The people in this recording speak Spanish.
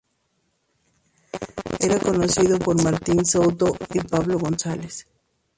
Era conducido por Martín Souto y Pablo González.